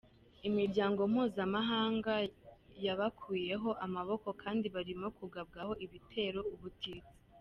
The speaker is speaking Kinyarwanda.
Imiryango mpuzamahanga yabakuyeho amaboko kandi barimo kugabwaho ibitero ubutitsa.